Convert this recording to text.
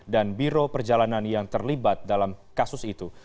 dan biro perjalanan yang terlibat dalam kasus itu